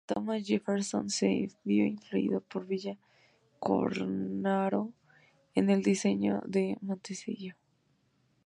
Thomas Jefferson se vio influido por Villa Cornaro en el diseño de Monticello.